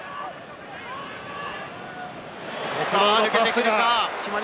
抜けてくるか？